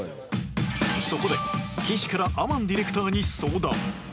そこで岸からアマンディレクターに相談